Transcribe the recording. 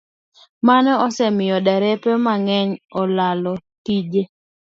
Mano osemiyo derepe mang'eny olalo tije